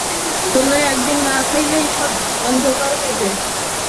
তোমরা একদিন না খাইলেই সব অন্ধকার দেখিবে।